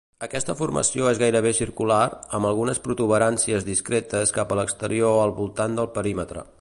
Aquesta formació és gairebé circular, amb algunes protuberàncies discretes cap a l'exterior al voltant del perímetre.